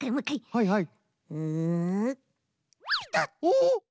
はいはい。